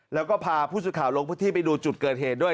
แล้วก็พาผู้สื่อข่าวลงพื้นที่ไปดูจุดเกิดเหตุด้วย